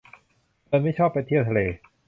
เฟิร์นไม่ชอบไปเที่ยวทะเล